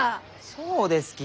そうですき！